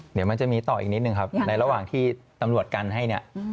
เดี๋ยวมันจะมีต่ออีกนิดนึงครับในระหว่างที่ตำรวจกันให้เนี่ย